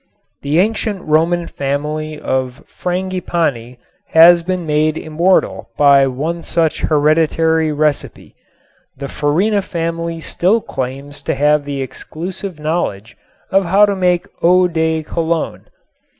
The ancient Roman family of Frangipani has been made immortal by one such hereditary recipe. The Farina family still claims to have the exclusive knowledge of how to make Eau de Cologne.